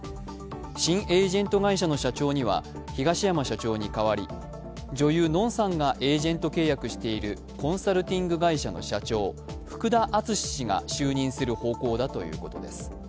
新エージェント会社の社長には東山社長に代わり、女優・のんさんがエージェント契約しているコンサルティング会社の社長福田淳氏が就任する方向だということです。